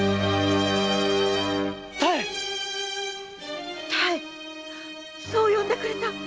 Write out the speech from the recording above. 「多江」そう呼んでくれた。